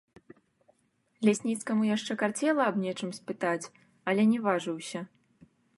Лясніцкаму яшчэ карцела аб нечым спытаць, але не важыўся.